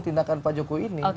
tindakan pak jokowi ini